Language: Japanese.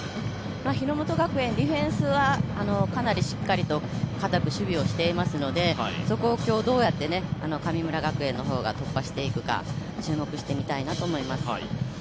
日ノ本学園、ディフェンスはかなりしっかりとかたく守備をしていますのでそこを今日、どうやって神村学園が突破していくか注目して、見たいなと思います。